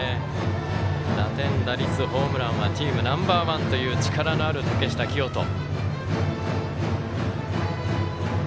打点、打率、ホームランはチームナンバーワンという力のある竹下聖人。